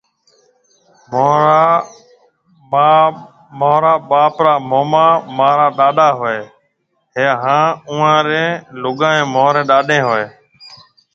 مهاريَ ٻاپ را موما مهارا ڏاڏا هوئي هيَ هانَ اُئان رين لُگائيَ مهاريَ ڏاڏين هوئيَ هيَ۔